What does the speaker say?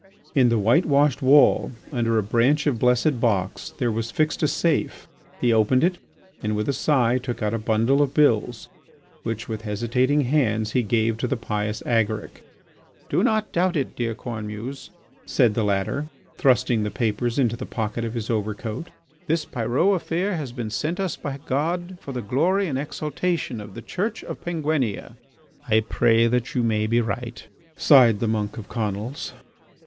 In the whitewashed wall under a branch of blessed box, there was fixed a safe. He opened it, and with a sigh took out a bundle of bills which, with hesitating hands, he gave to the pious Agaric. "Do not doubt it, dear Cornemuse," said the latter, thrusting the papers into the pocket of his overcoat, "this Pyrot affair has been sent us by God for the glory and exaltation of the Church of Penguinia." "I pray that you may be right!" sighed the monk of Conils.